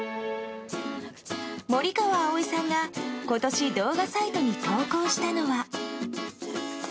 森川葵さんが今年動画サイトに投稿したのは。